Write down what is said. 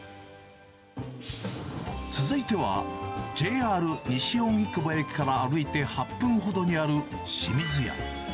続いては、ＪＲ西荻窪駅から歩いて８分ほどにあるしみずや。